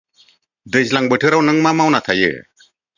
दैज्लां बोथोराव नों मा मावना थायो।